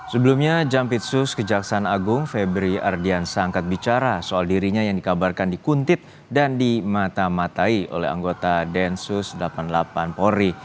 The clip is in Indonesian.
sebelumnya jampitsus kejaksaan agung febri ardiansa angkat bicara soal dirinya yang dikabarkan dikuntit dan dimata matai oleh anggota densus delapan puluh delapan polri